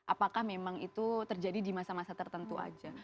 apakah memang itu terjadi di masa masa tertentu aja